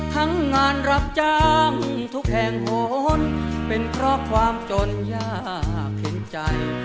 ทั้งงานรับจ้างทุกแห่งโหนเป็นเพราะความจนยากเห็นใจ